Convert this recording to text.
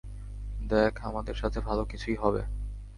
দেখ আমাদের সাথে ভালো কিছুই হবে।